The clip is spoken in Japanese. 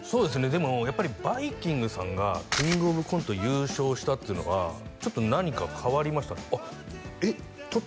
でもやっぱりバイきんぐさんがキングオブコント優勝したっていうのがちょっと何か変わりましたねえっ取っ